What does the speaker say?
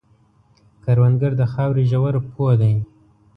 کروندګر د خاورې ژور پوه دی